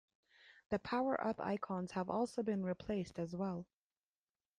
The power-up icons have also been replaced as well.